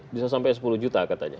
bisa sampai sepuluh juta katanya